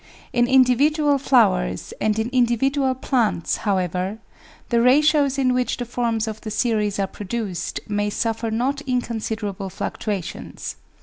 In individual flowers and in individual plants, however, the ratios in which the forms of the series are produced may suffer not in considerable fluctuations.